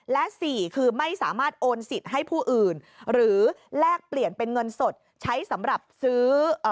และ๔คือไม่สามารถโอนสิทธิ์ให้ผู้อื่นหรือแลกเปลี่ยนเป็นเงินสดใช้สำหรับซื้อ